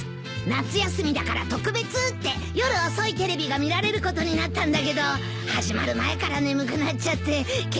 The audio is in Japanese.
夏休みだから特別って夜遅いテレビが見られることになったんだけど始まる前から眠くなっちゃって結局起きてられなかった。